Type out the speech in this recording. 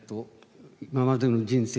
今までの人生